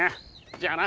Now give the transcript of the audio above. じゃあな！